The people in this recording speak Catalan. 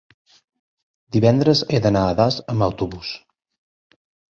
divendres he d'anar a Das amb autobús.